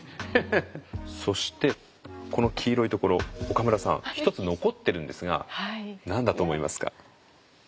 そしてこの黄色いところ岡村さん１つ残ってるんですが何だと思いますか？